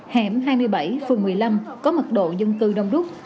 hẻm hai mươi bảy phường một mươi năm có mật độ dân cư đông đúc